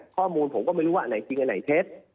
ข้อมูลผมก็ไม่รู้ว่าอันไหนจริงอันไหนเท็จ